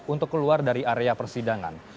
untuk keluar dari area persidangan